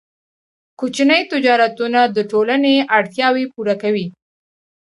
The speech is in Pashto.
کوچني تجارتونه د ټولنې اړتیاوې پوره کوي.